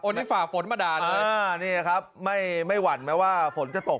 โอนิฟ่าฝนมาด่าเลยอ่านี่ครับไม่ไม่หวั่นแม้ว่าฝนจะตก